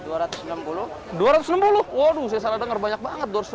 dua ratus enam puluh waduh saya salah dengar banyak banget dua ratus enam puluh